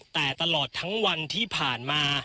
แต่ตลอดทั้งวันที่ผ่านมา